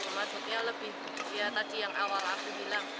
maksudnya lebih ya tadi yang awal aku bilang